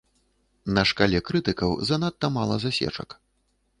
На шкале крытыкаў занадта мала засечак.